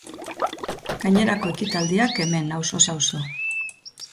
Gainerako ekitaldiak, hemen, auzoz auzo.